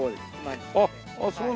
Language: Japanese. あっああそうなの。